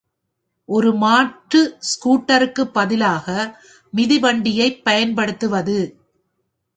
ஒரு மாற்று ஸ்கூட்டருக்கு பதிலாக மிதிவண்டியைப் பயன்படுத்துவது.